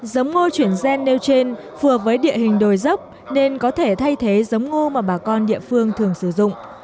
giống ngô chuyển gen nêu trên phù với địa hình đồi dốc nên có thể thay thế giống ngô mà bà con địa phương thường sử dụng